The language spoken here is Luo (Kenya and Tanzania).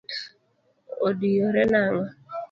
Odiyore nang’o?